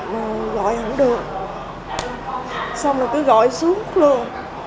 mà gọi không được xong rồi cứ gọi xuống luôn